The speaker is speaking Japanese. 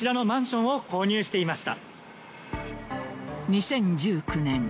２０１９年